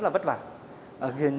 loan là loại điện